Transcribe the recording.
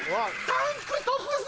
タンクトプス。